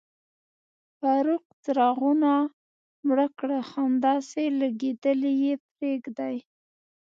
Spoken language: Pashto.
فاروق، څراغونه مړه کړه، همداسې لګېدلي یې پرېږدئ.